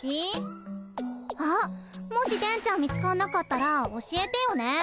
あっもし電ちゃん見つかんなかったら教えてよね。